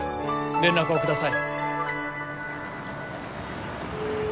連絡をください。